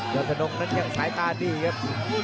ยาวชะลงนั่นยังสายตาดีครับ